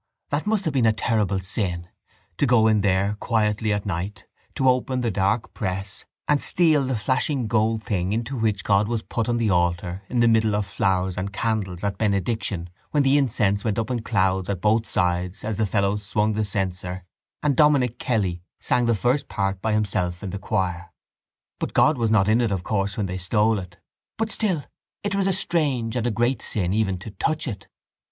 That must have been a terrible sin, to go in there quietly at night, to open the dark press and steal the flashing gold thing into which God was put on the altar in the middle of flowers and candles at benediction while the incense went up in clouds at both sides as the fellow swung the censer and Dominic Kelly sang the first part by himself in the choir. But God was not in it of course when they stole it. But still it was a strange and a great sin even to touch it.